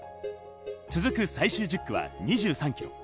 続く最終１０区は２３ｋｍ。